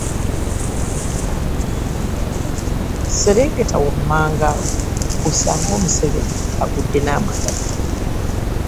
Serengeta wammanga awo osange omuseveni agudde n’amagatto.